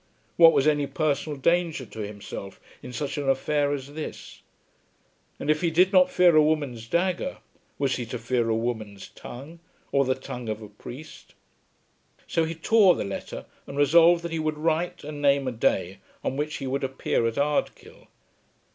What was any personal danger to himself in such an affair as this? And if he did not fear a woman's dagger, was he to fear a woman's tongue, or the tongue of a priest? So he tore the letter, and resolved that he would write and name a day on which he would appear at Ardkill.